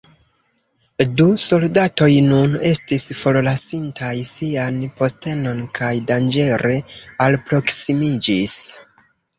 Du soldatoj nun estis forlasintaj sian postenon kaj danĝere alproksimiĝis.